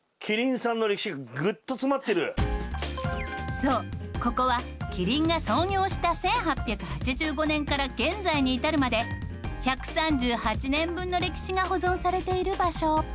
そうここはキリンが創業した１８８５年から現在に至るまで１３８年分の歴史が保存されている場所。